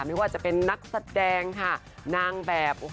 ไม่ว่าจะเป็นนักแสดงค่ะนางแบบ